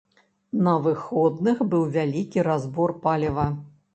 На выходных быў вялікі разбор паліва.